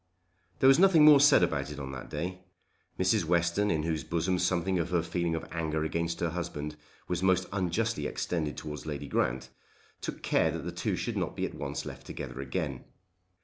There was nothing more said about it on that day. Mrs. Western, in whose bosom something of her feeling of anger against her husband was most unjustly extended towards Lady Grant, took care that they two should not be at once left together again.